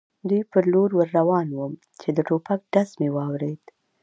دوی پر لور ور روان ووم، چې د ټوپک ډز مې واورېد.